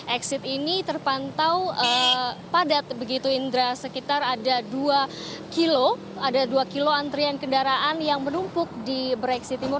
exit ini terpantau padat begitu indra sekitar ada dua kilo antrian kendaraan yang menumpuk di brexit timur